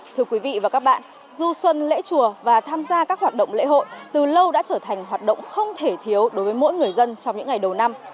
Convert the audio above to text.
thưa quý vị và các bạn du xuân lễ chùa và tham gia các hoạt động lễ hội từ lâu đã trở thành hoạt động không thể thiếu đối với mỗi người dân trong những ngày đầu năm